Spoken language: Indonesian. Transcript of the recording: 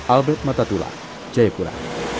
albert matatula jayapura